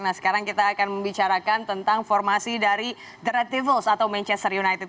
nah sekarang kita akan membicarakan tentang formasi dari the rectivis atau manchester united